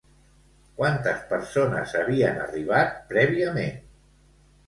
Quantes persones havien arribat prèviament?